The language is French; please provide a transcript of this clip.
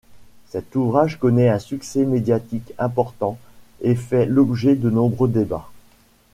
Cet ouvrage connaît un succès médiatique important et fait l'objet de nombreux débats.